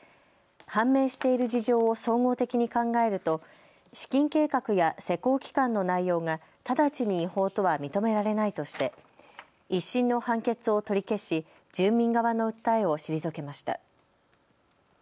判明している事情を総合的に考えると資金計画や施行期間の内容が直ちに違法とは認められないとして１審の判決を取り消し住民側の訴えを退けました。